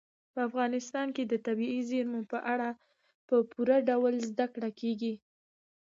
په افغانستان کې د طبیعي زیرمو په اړه په پوره ډول زده کړه کېږي.